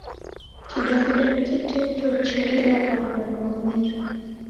Kidaw'ida ni kiteto chereda w'andu andwamweri.